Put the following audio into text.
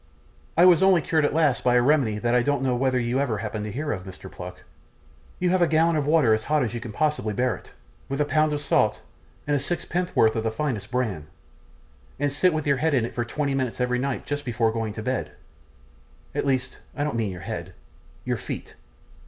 I was only cured at last by a remedy that I don't know whether you ever happened to hear of, Mr. Pluck. You have a gallon of water as hot as you can possibly bear it, with a pound of salt, and sixpen'orth of the finest bran, and sit with your head in it for twenty minutes every night just before going to bed; at least, I don't mean your head your feet.